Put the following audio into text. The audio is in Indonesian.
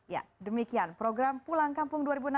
ya demikian program pulang kampung dua ribu enam belas